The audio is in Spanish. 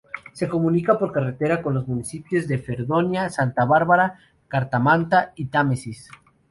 Se comunica por carretera con los municipios de Fredonia, Santa Bárbara, Caramanta y Támesis.